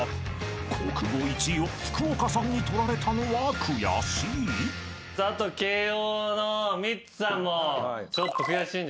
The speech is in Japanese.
［国語１位を福岡さんに取られたのは悔しい？］